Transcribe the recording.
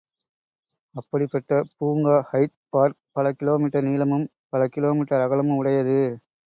அப்படிப்பட்ட பூங்கா Hyde Park. பல கிலோ மீட்டர் நீளமும் பல கிலோ மீட்டர் அகலமும் உடையது.